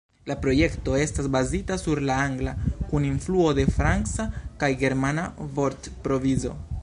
La projekto estas bazita sur la angla kun influo de franca kaj germana vortprovizo.